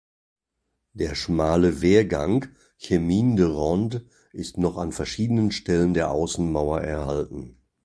Der schmale Wehrgang "chemin de ronde" ist noch an verschiedenen Stellen der Außenmauer erhalten.